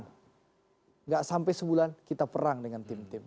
tidak sampai sebulan kita perang dengan tim tim